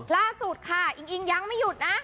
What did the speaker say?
ล่าสุดค่ะอิงอิงยังไม่หยุดนะ